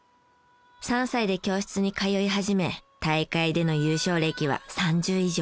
３歳で教室に通い始め大会での優勝歴は３０以上。